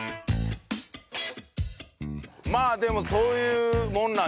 まあでもそういうもんなんじゃないの？